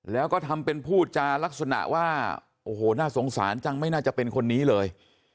แล้วก็ทำเป็นพูดจารักษณะว่าโอ้โหน่าสงสารจังไม่น่าจะเป็นคนนี้เลย